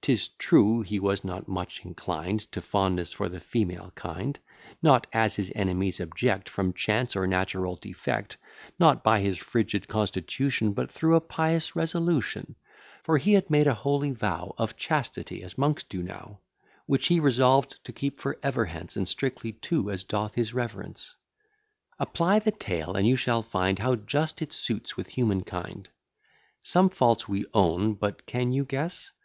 'Tis true, he was not much inclined To fondness for the female kind: Not, as his enemies object, From chance, or natural defect; Not by his frigid constitution; But through a pious resolution: For he had made a holy vow Of Chastity, as monks do now: Which he resolved to keep for ever hence And strictly too, as doth his reverence. Apply the tale, and you shall find, How just it suits with human kind. Some faults we own; but can you guess?